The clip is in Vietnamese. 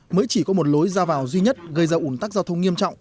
mới chỉ có một lối ra vào duy nhất gây ra ủn tắc giao thông nghiêm trọng